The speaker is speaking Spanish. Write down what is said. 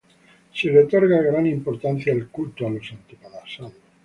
Se le otorga gran importancia al culto a los antepasados.